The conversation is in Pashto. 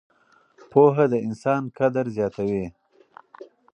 پوهه د انسان قدر زیاتوي.